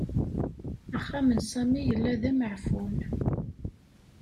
Axxam n Sami yella d ameɛfun.